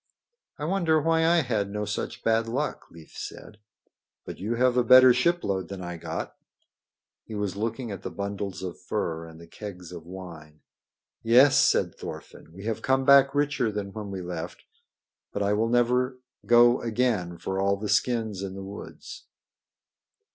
"I wonder why I had no such bad luck," Leif said. "But you have a better shipload than I got." He was looking at the bundles of furs and the kegs of wine. "Yes," said Thorfinn, "we have come back richer than when we left. But I will never go again for all the skins in the woods."